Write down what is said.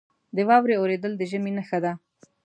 • د واورې اورېدل د ژمي نښه ده.